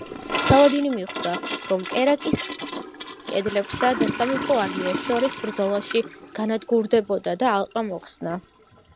სალადინი მიხვდა, რომ კერაკის კედლებსა და სამეფო არმიას შორის ბრძოლაში განადგურდებოდა და ალყა მოხსნა.